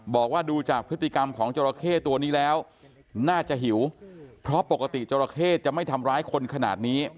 บอกว่าดูจากพฤติกรรมของจราเข้ตัวนี้แล้วน่าจะหิวเพราะปกติจราเข้จะไม่ทำร้ายคนขนาดนี้